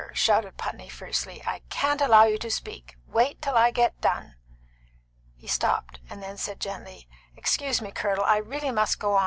shouted Putney fiercely; "I can't allow you to speak. Wait till I get done!" He stopped, and then said gently "Excuse me, Colonel; I really must go on.